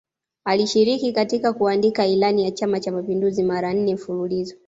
Alishiriki katika kuandika Ilani ya Chama cha Mapinduzi mara nne mfululizo